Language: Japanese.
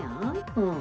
うん。